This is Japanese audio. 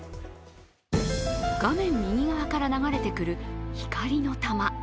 画面右側から流れてくる光の球。